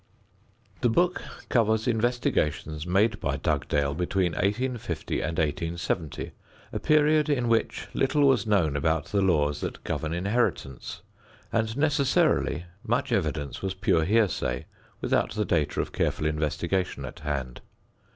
The book covers investigations made by Dugdale between 1850 and 1870, a period in which little was known about the laws that govern inheritance, and necessarily, much evidence was pure hearsay without the data of careful investigation at hand.